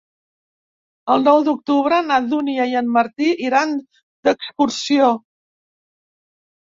El nou d'octubre na Dúnia i en Martí iran d'excursió.